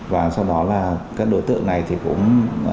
và sau đó là các đối tượng này thì cũng